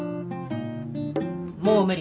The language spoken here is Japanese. もう無理。